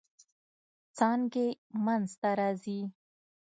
څانګې منځ ته راځي.